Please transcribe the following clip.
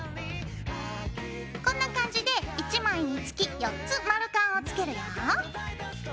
こんな感じで１枚につき４つ丸カンをつけるよ。